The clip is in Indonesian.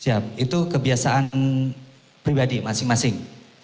siap itu kebiasaan pribadi masing masing